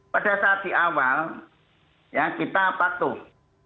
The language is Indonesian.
pada saat di awal ya kita patuh